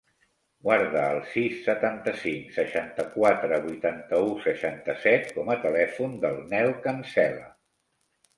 Guarda el sis, setanta-cinc, seixanta-quatre, vuitanta-u, seixanta-set com a telèfon del Nel Cancela.